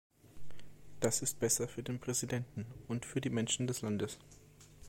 Das ist besser für den Präsidenten und für die Menschen des Landes.